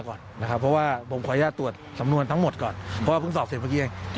ก่อนนะคะควรว่าผมควรจะตรวจสำนวนทั้งหมดก่อนเพราะว่าเพิ่งสอบเสร็จพวกนี้เอง